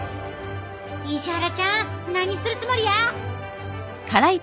石原ちゃん何するつもりや！